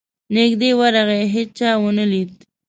نیژدې ورغی هېچا ونه لید.